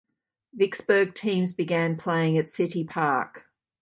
Vicksburg teams began playing at City Park.